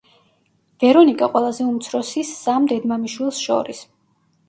ვერონიკა ყველაზე უმცროსის სამ დედმამიშვილს შორის.